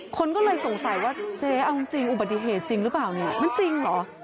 คนก็เลยสงสัยว่าเจ๊เอาจริงอุบัติเหตุจริงหรือเปล่าเนี่ยมันจริงเหรอ